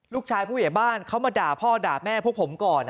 ผู้ใหญ่บ้านเขามาด่าพ่อด่าแม่พวกผมก่อน